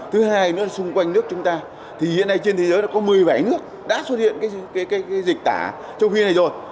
thứ hai xung quanh nước chúng ta hiện nay trên thế giới có một mươi bảy nước đã xuất hiện dịch tả châu phi này rồi